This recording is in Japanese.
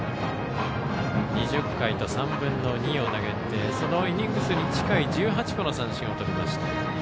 ２０回と３分の２を投げてそのイニング数に近い１８個の三振をとりました。